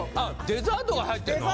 デザートが入ってるの？